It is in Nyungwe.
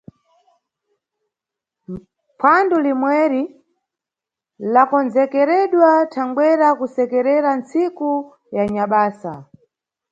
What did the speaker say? Phwando limweri lakondzekeredwa thangwera kusekerera ntsiku ya nyabasa.